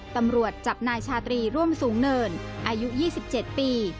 ตำรวจจับนายชาตรีร่วมสูงเนินอายุ๒๗ปี